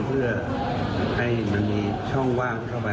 เพื่อให้มันมีช่องว่างเข้าไป